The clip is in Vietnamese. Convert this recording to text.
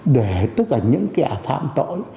để tất cả những kẻ phạm tội